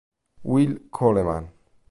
Will Coleman